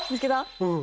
うん。